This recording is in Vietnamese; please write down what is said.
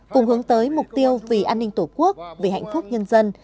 cùng hướng tới mục tiêu vì an ninh tổ quốc vì hạnh phúc nhân dân